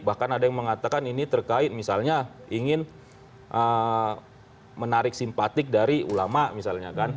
bahkan ada yang mengatakan ini terkait misalnya ingin menarik simpatik dari ulama misalnya kan